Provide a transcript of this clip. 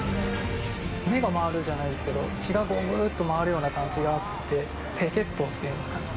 目が回るじゃないですけど、血がぐーっと回るような感じがあって、低血糖っていうんですかね。